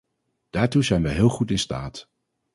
Daartoe zijn wij heel goed in staat.